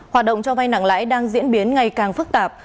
hoạt động cho vay nặng lãi đang diễn biến ngày càng phức tạp